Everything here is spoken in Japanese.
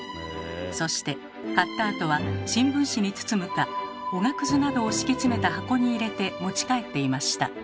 そして買ったあとは新聞紙に包むかおがくずなどを敷き詰めた箱に入れて持ち帰っていました。